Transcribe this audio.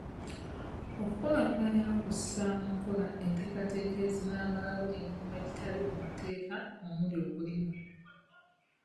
Okukulaakulanya n'okussa mu nkola enteekateeka ezinaamalawo emirimu egitali mu mateeka omuli okulima.